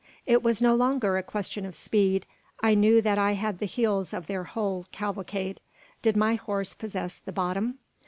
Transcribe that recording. It was no longer a question of speed. I knew that I had the heels of their whole cavalcade. Did my horse possess the "bottom"?